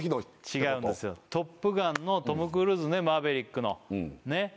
違うんですよ「トップガン」のトム・クルーズね「マーヴェリック」のねっ